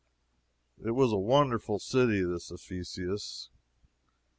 It was a wonderful city, this Ephesus.